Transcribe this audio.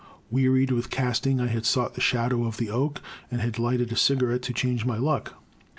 Wearied with casting, I had sought the shadow of the oak and had lighted a cigarette to change my luck.